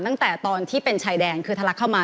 ตั้งแต่ตอนที่เป็นชายแดนคือทะลักเข้ามา